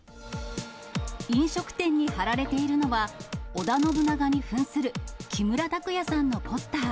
飲食店に貼られているのは、織田信長に扮する木村拓哉さんのポスター。